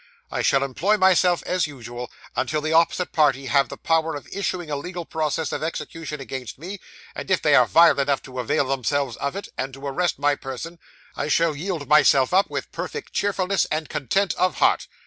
I shall employ myself as usual, until the opposite party have the power of issuing a legal process of execution against me; and if they are vile enough to avail themselves of it, and to arrest my person, I shall yield myself up with perfect cheerfulness and content of heart.